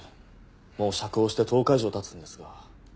もう釈放して１０日以上経つんですが。